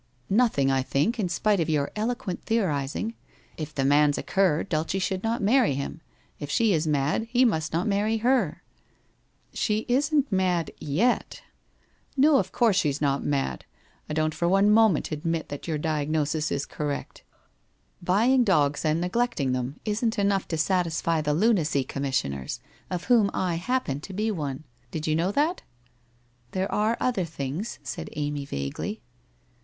'' Nothing, I think, in spite of your eloquent theoriz ing. If the man's a cur, Dulce should not marry him, if she is mad, he must not marry her.' ' She isn't mad — vet.' 1 No, of course she is not mad. I don't for one moment admit that your diagnosis is correct. Buying dogs and neglecting them isn't enough to satisfy the Lunacy Com missioners, of whom I happen to be one. Did you know that?' I There are other things ' said Amy vaguely.